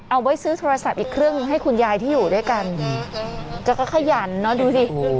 เอาไว้ซื้อโทรศัพท์อีกเครื่องให้คุณยายที่อยู่ด้วยกันแกก็ขยันเนอะดูสิ